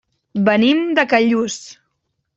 Venim de Callús.